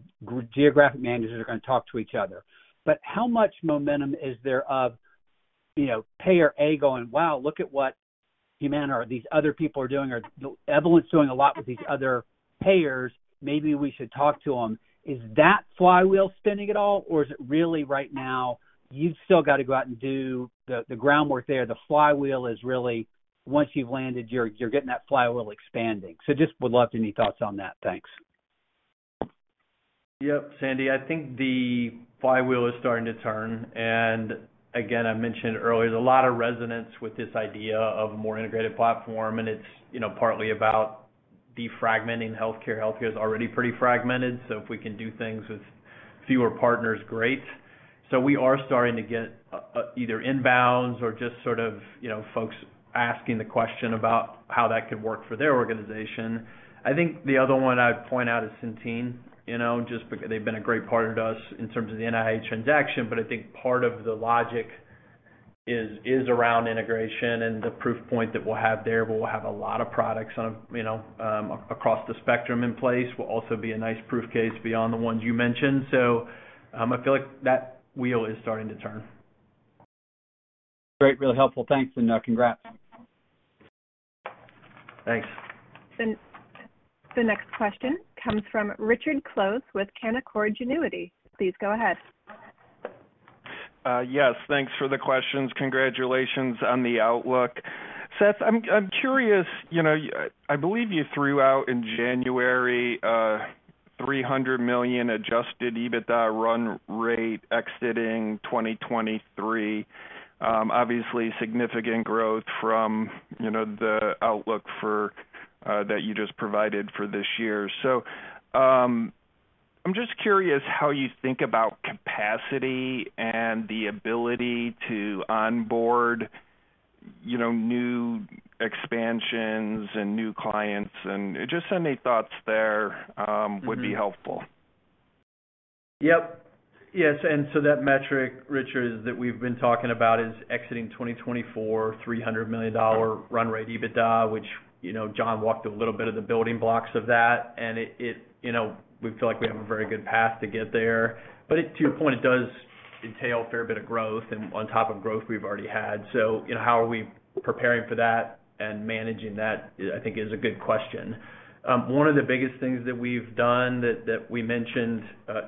geographic managers are gonna talk to each other. How much momentum is there of, you know, payer A going, "Wow, look at what Humana or these other people are doing, or Evolent's doing a lot with these other payers. Maybe we should talk to them." Is that flywheel spinning at all? Or is it really right now, you've still got to go out and do the groundwork there. The flywheel is really, once you've landed, you're getting that flywheel expanding. Just would love any thoughts on that? Thanks. Yep. Sandy, I think the flywheel is starting to turn. I mentioned earlier, there's a lot of resonance with this idea of a more integrated platform, and it's, you know, partly about defragmenting healthcare. Healthcare is already pretty fragmented, if we can do things with fewer partners, great. We are starting to get either inbounds or just sort of, you know, folks asking the question about how that could work for their organization. I think the other one I'd point out is Centene, you know, just because they've been a great partner to us in terms of the NIA transaction. I think part of the logic is around integration and the proof point that we'll have there, where we'll have a lot of products on, you know, across the spectrum in place, will also be a nice proof case beyond the ones you mentioned. I feel like that wheel is starting to turn. Great. Really helpful. Thanks, and congrats. Thanks. The next question comes from Richard Close with Canaccord Genuity. Please go ahead. Yes, thanks for the questions. Congratulations on the outlook. Seth, I'm curious, you know, I believe you threw out in January, $300 million adjusted EBITDA run rate exiting 2023. Obviously, significant growth from, you know, the outlook for that you just provided for this year. I'm just curious how you think about capacity and the ability to onboard, you know, new expansions and new clients, and just any thoughts there would be helpful. Yep. Yes, that metric, Richard Close, that we've been talking about is exiting 2024, $300 million run rate EBITDA, which, you know, John walked a little bit of the building blocks of that. It, you know, we feel like we have a very good path to get there. To your point, it does entail a fair bit of growth and on top of growth we've already had. You know, how are we preparing for that and managing that, I think is a good question. One of the biggest things that we've done that we mentioned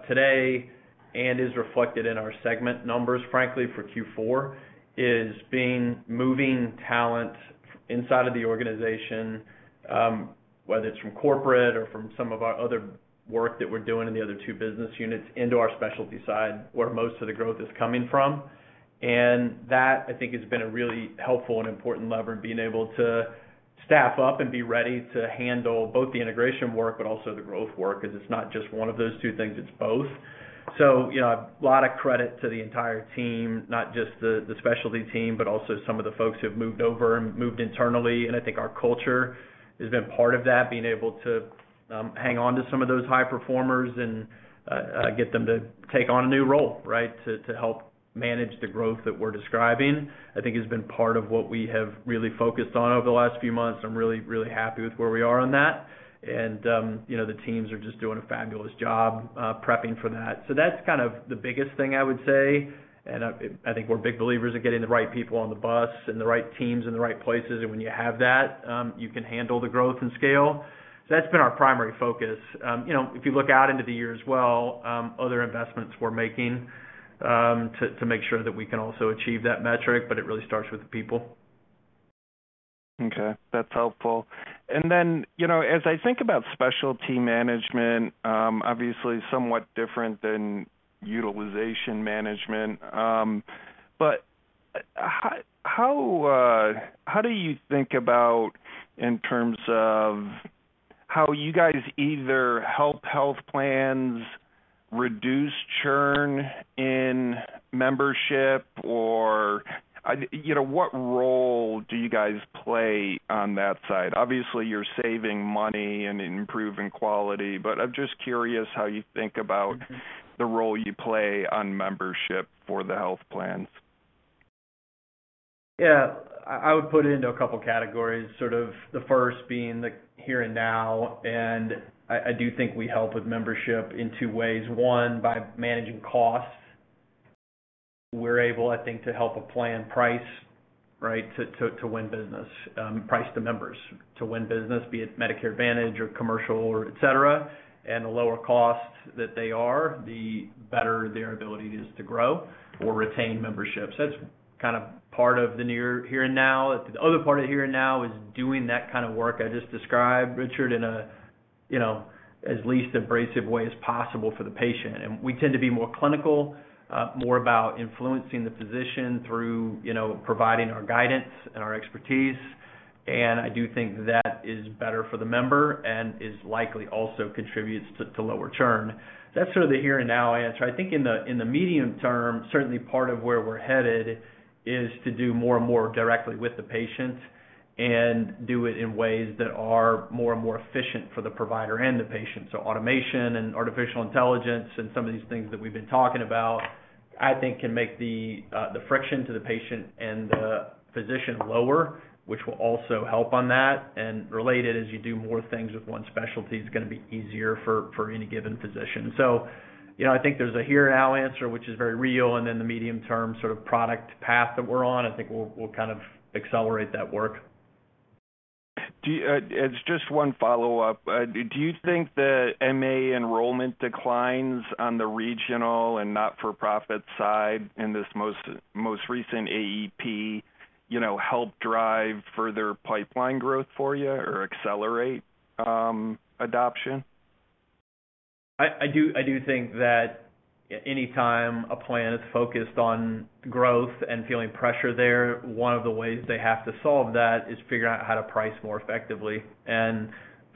today and is reflected in our segment numbers, frankly, for Q4, is moving talent inside of the organization, whether it's from corporate or from some of our other work that we're doing in the other two business units into our specialty side, where most of the growth is coming from. That, I think, has been a really helpful and important lever in being able to staff up and be ready to handle both the integration work, but also the growth work, 'cause it's not just one of those two things, it's both. You know, a lot of credit to the entire team, not just the specialty team, but also some of the folks who have moved over and moved internally. I think our culture has been part of that, being able to hang on to some of those high performers and get them to take on a new role, right, to help manage the growth that we're describing, I think has been part of what we have really focused on over the last few months. I'm really, really happy with where we are on that. You know, the teams are just doing a fabulous job prepping for that. That's kind of the biggest thing I would say, and I think we're big believers of getting the right people on the bus and the right teams in the right places. When you have that, you can handle the growth and scale. That's been our primary focus. You know, if you look out into the year as well, other investments we're making, to make sure that we can also achieve that metric, but it really starts with the people. Okay, that's helpful. Then, you know, as I think about specialty management, obviously somewhat different than utilization management, how do you think about in terms of how you guys either help health plans reduce churn in membership or, you know, what role do you guys play on that side? Obviously, you're saving money and improving quality, I'm just curious how you think about the role you play on membership for the health plans. Yeah. I would put it into a couple categories, sort of the first being the here and now. I do think we help with membership in two ways. One, by managing costs, we're able, I think, to help a plan price, right, to win business, price to members to win business, be it Medicare Advantage or commercial or et cetera. The lower cost that they are, the better their ability is to grow or retain membership. That's kind of part of the near here and now. The other part of the here and now is doing that kind of work I just described, Richard, in a, you know, as least abrasive way as possible for the patient. We tend to be more clinical, more about influencing the physician through, you know, providing our guidance and our expertise. I do think that is better for the member and is likely also contributes to lower churn. That's sort of the here and now answer. I think in the, in the medium term, certainly part of where we're headed is to do more and more directly with the patients and do it in ways that are more and more efficient for the provider and the patient. Automation and artificial intelligence and some of these things that we've been talking about, I think can make the friction to the patient and the physician lower, which will also help on that. Related, as you do more things with one specialty, it's gonna be easier for any given physician. You know, I think there's a here and now answer, which is very real, and then the medium term sort of product path that we're on, I think will kind of accelerate that work. Do you, as just one follow-up, do you think the MA enrollment declines on the regional and not-for-profit side in this most recent AEP, you know, help drive further pipeline growth for you or accelerate adoption? I do think that anytime a plan is focused on growth and feeling pressure there, one of the ways they have to solve that is figuring out how to price more effectively, and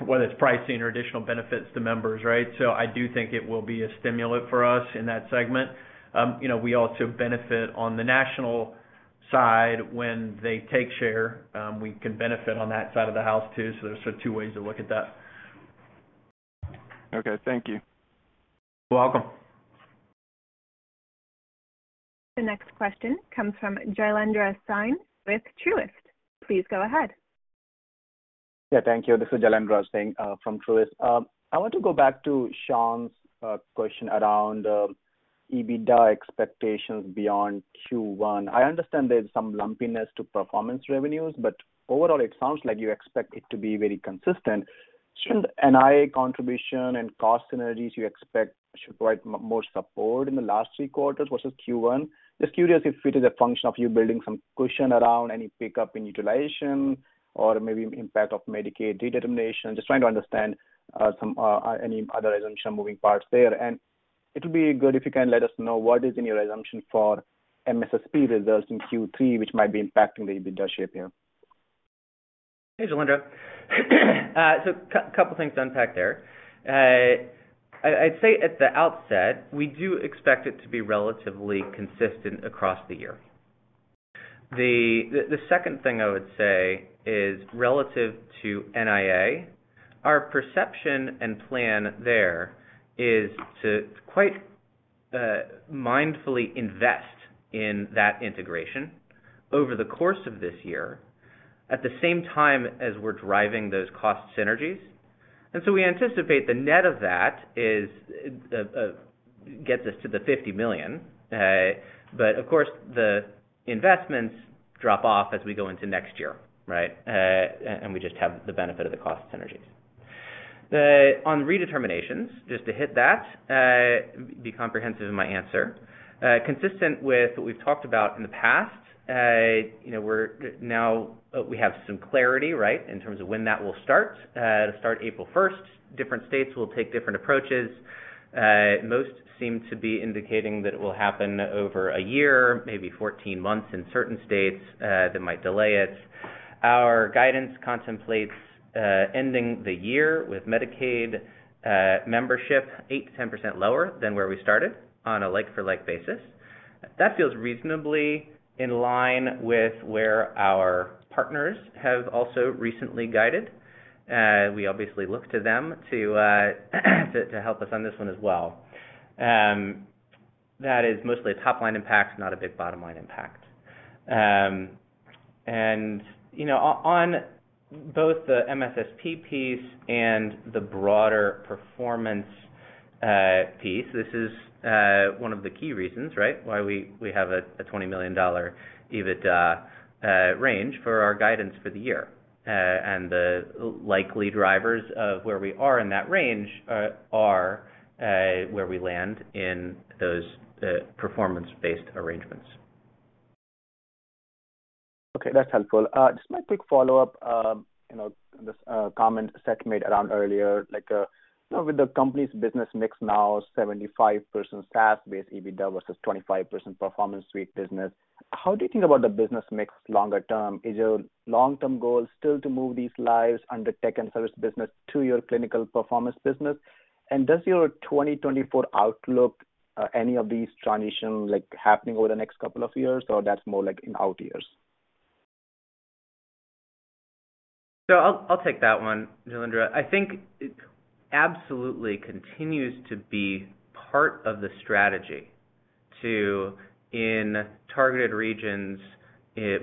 whether it's pricing or additional benefits to members, right? I do think it will be a stimulant for us in that segment. you know, we also benefit on the national Side when they take share, we can benefit on that side of the house too. There's 2 ways to look at that. Okay, thank you. You're welcome. The next question comes from Jailendra Singh with Truist Securities. Please go ahead. Yeah, thank you. This is Jailendra Singh from Truist Securities. I want to go back to Sean Dodge's question around EBITDA expectations beyond Q1. I understand there's some lumpiness to performance revenues, overall, it sounds like you expect it to be very consistent. Shouldn't NIA contribution and cost synergies you expect should provide more support in the last three quarters versus Q1? Curious if it is a function of you building some cushion around any pickup in utilization or maybe impact of Medicaid redetermination. Trying to understand some any other assumption moving parts there. It would be good if you can let us know what is in your assumption for MSSP results in Q3, which might be impacting the EBITDA shape here. Hey, Jailendra. Couple things to unpack there. I'd say at the outset, we do expect it to be relatively consistent across the year. The second thing I would say is relative to NIA, our perception and plan there is to quite mindfully invest in that integration over the course of this year, at the same time as we're driving those cost synergies. We anticipate the net of that is gets us to the $50 million. Of course, the investments drop off as we go into next year, right? And we just have the benefit of the cost synergies. On redeterminations, just to hit that, be comprehensive in my answer. Consistent with what we've talked about in the past, you know, we have some clarity, right, in terms of when that will start. It'll start April first. Different states will take different approaches. Most seem to be indicating that it will happen over a year, maybe 14 months in certain states, that might delay it. Our guidance contemplates ending the year with Medicaid membership 8%-10% lower than where we started on a like-for-like basis. That feels reasonably in line with where our partners have also recently guided. We obviously look to them to help us on this one as well. That is mostly a top line impact, not a big bottom line impact. You know, on both the MSSP piece and the broader performance piece, this is one of the key reasons, right, why we have a $20 million EBITDA range for our guidance for the year. The likely drivers of where we are in that range, are, where we land in those performance-based arrangements. Okay, that's helpful. Just my quick follow-up, you know, this comment Seth made around earlier, like, you know, with the company's business mix now 75% SaaS-based EBITDA versus 25% Performance Suite business, how do you think about the business mix longer term? Is your long-term goal still to move these lives under tech and service business to your clinical performance business? Does your 2024 outlook, any of these transitions like happening over the next couple of years, or that's more like in out years? I'll take that one, Jailendra. I think it absolutely continues to be part of the strategy to, in targeted regions,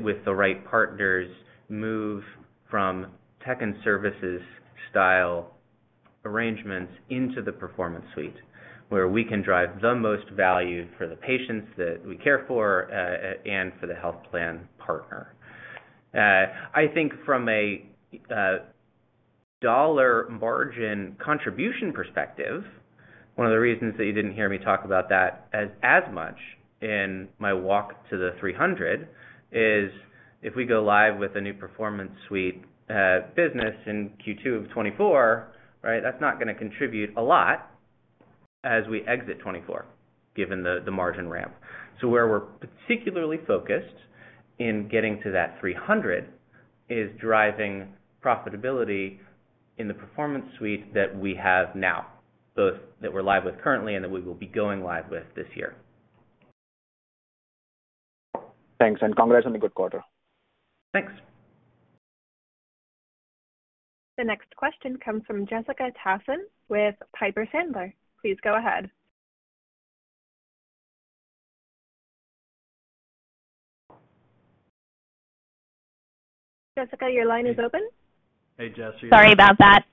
with the right partners, move from Technology and Services style arrangements into the Performance Suite, where we can drive the most value for the patients that we care for and for the health plan partner. I think from a dollar margin contribution perspective, one of the reasons that you didn't hear me talk about that as much in my walk to the $300 is if we go live with a new Performance Suite business in Q2 of 2024, right? That's not gonna contribute a lot as we exit 2024, given the margin ramp. Where we're particularly focused in getting to that 300 is driving profitability in the Performance Suite that we have now, both that we're live with currently and that we will be going live with this year. Thanks, congrats on the good quarter. Thanks. The next question comes from Jessica Tassan with Piper Sandler. Please go ahead. Jessica, your line is open. Hey, Jesse. Sorry about that.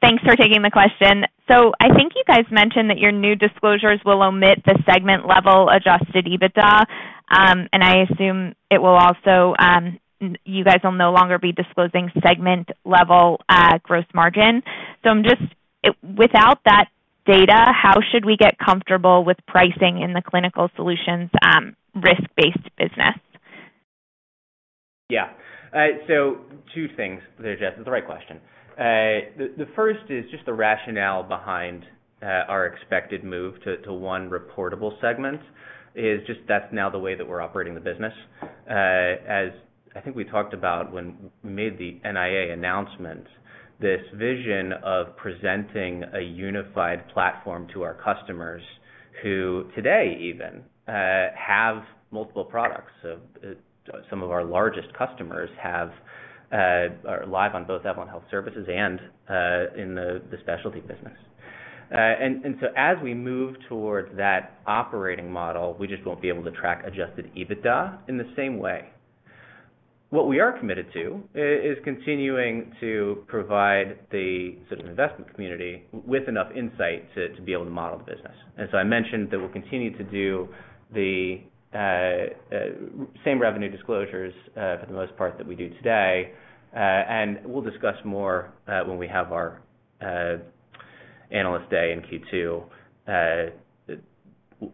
Thanks for taking the question. I think you guys mentioned that your new disclosures will omit the segment level adjusted EBITDA, and I assume it will also, you guys will no longer be disclosing segment level, gross margin. Without that data, how should we get comfortable with pricing in the Clinical Solutions, risk-based business? Yeah. Two things there, Jess. It's the right question. The first is just the rationale behind our expected move to one reportable segment is just that's now the way that we're operating the business. As I think we talked about when we made the NIA announcement, this vision of presenting a unified platform to our customers who today even have multiple products. So some of our largest customers have are live on both Evolent Health Services and in the specialty business. As we move towards that operating model, we just won't be able to track adjusted EBITDA in the same way. What we are committed to is continuing to provide the investment community with enough insight to be able to model the business. As I mentioned that we'll continue to do the same revenue disclosures for the most part that we do today, and we'll discuss more when we have our analyst day in Q2,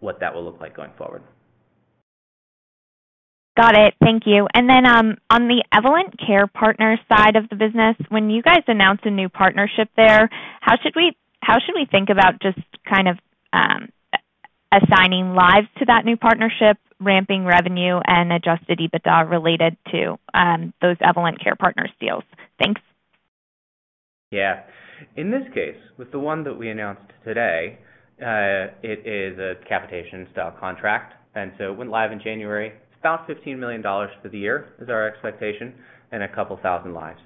what that will look like going forward. Got it. Thank you. Then, on the Evolent Care Partners side of the business, when you guys announce a new partnership there, how should we think about just kind of assigning lives to that new partnership, ramping revenue and adjusted EBITDA related to those Evolent Care Partners deals? Thanks. Yeah. In this case, with the one that we announced today, it is a capitation-style contract. It went live in January. It's about $15 million for the year, is our expectation, and a couple thousand lives.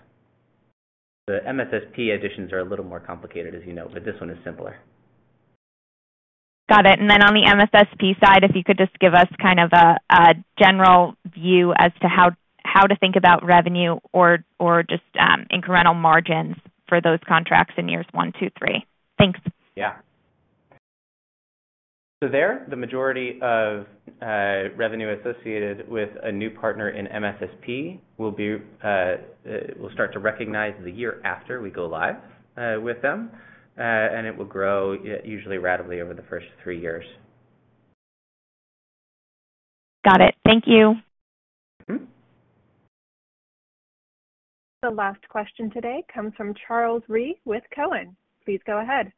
The MSSP additions are a little more complicated, as you know, but this one is simpler. On the MSSP side, if you could just give us kind of a general view as to how to think about revenue or just incremental margins for those contracts in years one, two, three. Thanks. Yeah. There, the majority of revenue associated with a new partner in MSSP will be, we'll start to recognize the year after we go live with them. It will grow usually rapidly over the first three years. Got it. Thank you. Mm-hmm. The last question today comes from Charles Rhyee with TD Cowen. Please go ahead.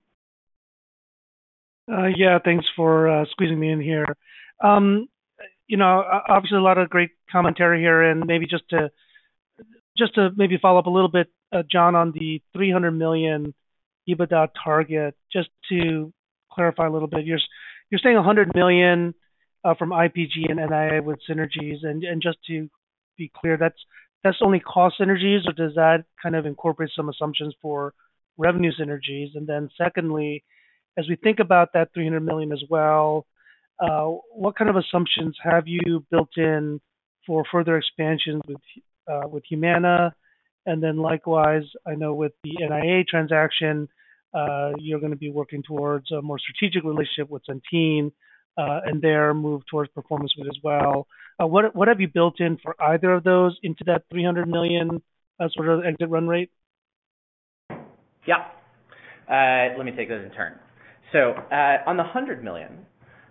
Yeah, thanks for squeezing me in here. You know, obviously, a lot of great commentary here, and maybe just to follow up a little bit, John, on the $300 million EBITDA target, just to clarify a little bit, you're saying $100 million from IPG and NIA with synergies and just to be clear, that's only cost synergies or does that kind of incorporate some assumptions for revenue synergies? Secondly, as we think about that $300 million as well, what kind of assumptions have you built in for further expansions with Humana? Likewise, I know with the NIA transaction, you're gonna be working towards a more strategic relationship with Centene and their move towards performance with as well. What have you built in for either of those into that $300 million sort of exit run rate? Yeah. Let me take those in turn. On the $100 million,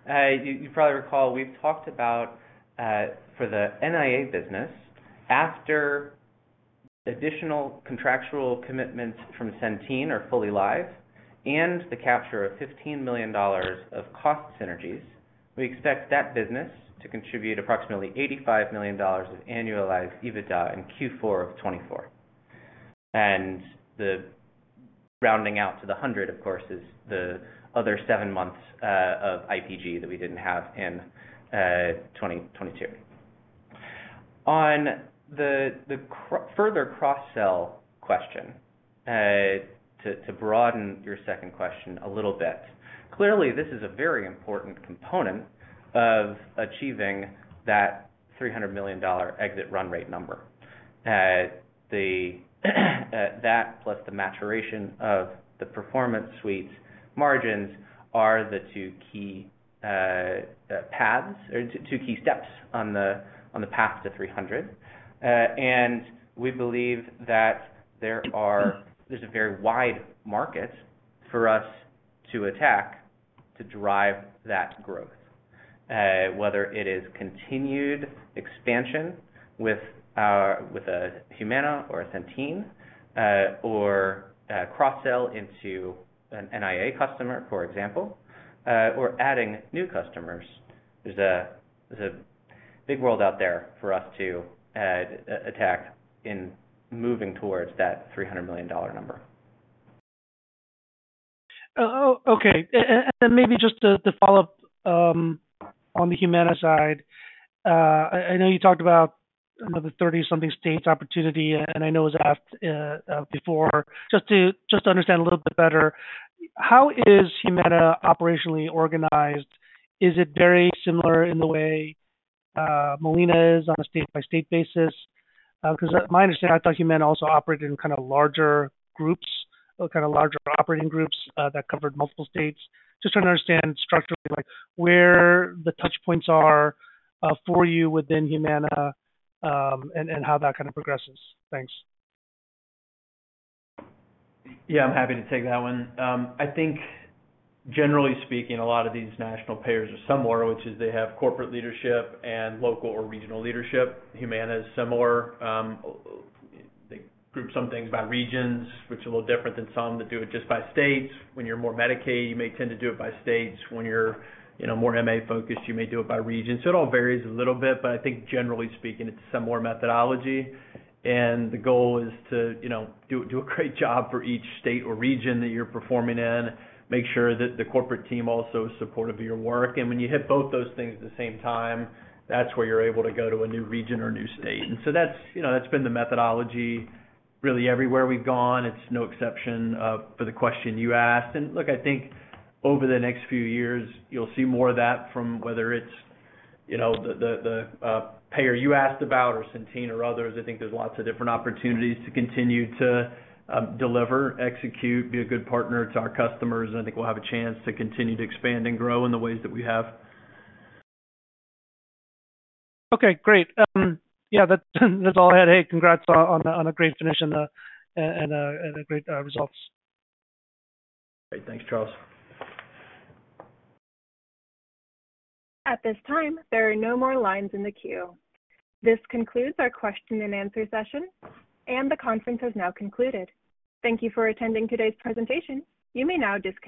you probably recall we've talked about for the NIA business, after additional contractual commitments from Centene are fully live and the capture of $15 million of cost synergies, we expect that business to contribute approximately $85 million of annualized EBITDA in Q4 of 2024. The rounding out to the $100, of course, is the other 7 months of IPG that we didn't have in 2022. On the further cross-sell question, to broaden your second question a little bit, clearly, this is a very important component of achieving that $300 million exit run rate number. That plus the maturation of the Performance Suite's margins are the two key paths or two key steps on the path to 300. And we believe that there are, there's a very wide market for us to attack to drive that growth. Whether it is continued expansion with a Humana or a Centene, or a cross-sell into an NIA customer, for example, or adding new customers. There's a big world out there for us to attack in moving towards that $300 million number. Okay. Maybe just to follow up, on the Humana side. I know you talked about another 30-something states opportunity, and I know it was asked before. Just to understand a little bit better, how is Humana operationally organized? Is it very similar in the way Molina is on a state-by-state basis? 'Cause my understanding, I thought Humana also operated in kinda larger groups or kinda larger operating groups that covered multiple states. Just trying to understand structurally, like, where the touch points are, for you within Humana, and how that kinda progresses. Thanks. Yeah. I'm happy to take that one. I think generally speaking, a lot of these national payers are similar, which is they have corporate leadership and local or regional leadership. Humana is similar, they group some things by regions, which are a little different than some that do it just by states. When you're more Medicaid, you may tend to do it by states. When you're, you know, more MA-focused, you may do it by region. It all varies a little bit, but I think generally speaking, it's a similar methodology. The goal is to, you know, do a great job for each state or region that you're performing in, make sure that the corporate team also is supportive of your work. When you hit both those things at the same time, that's where you're able to go to a new region or new state. That's, you know, that's been the methodology really everywhere we've gone. It's no exception for the question you asked. Look, I think over the next few years, you'll see more of that from whether it's, you know, the payer you asked about or Centene or others. I think there's lots of different opportunities to continue to deliver, execute, be a good partner to our customers, and I think we'll have a chance to continue to expand and grow in the ways that we have. Okay, great. Yeah, that's all I had. Hey, congrats on a great finish and great results. Great. Thanks, Charles. At this time, there are no more lines in the queue. This concludes our question and answer session, and the conference has now concluded. Thank you for attending today's presentation. You may now disconnect.